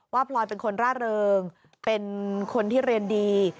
พลอยเป็นคนร่าเริงเป็นคนที่เรียนดี